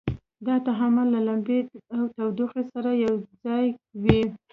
دا تعامل له لمبې او تودوخې سره یو ځای وي.